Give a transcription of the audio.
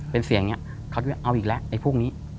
เป็นเสียงเนี่ยเขาคิดว่าเอาอีกแล้วไอ้พวกนี้